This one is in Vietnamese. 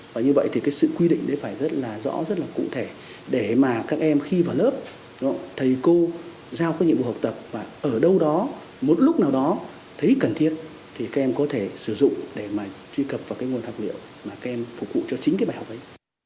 và như vậy thì cái sự quy định đấy phải rất là rõ rất là cụ thể để mà các em khi vào lớp thầy cô giao cái nhiệm vụ học tập và ở đâu đó một lúc nào đó thấy cần thiết thì các em có thể sử dụng để mà truy cập vào cái nguồn học liệu mà các em phục vụ cho chính cái bài học đấy